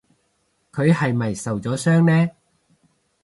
佢係咪受咗傷呢？